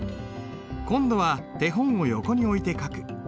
今度は手本を横に置いて書く。